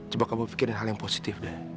coba kamu pikirin hal yang positif deh